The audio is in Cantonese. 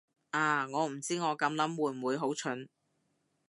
啊，我唔知我咁諗會唔會好蠢